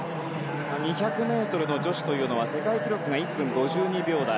２００ｍの女子というのは世界記録が１分５２秒台。